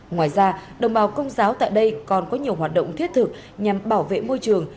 ngoài ra đồng bào công giáo tại đây còn có nhiều hoạt động thiết thực nhằm bảo vệ môi trường